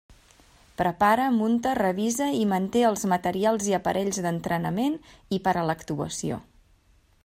Prepara, munta, revisa i manté els materials i aparells d'entrenament i per a l'actuació.